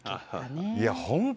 いや本当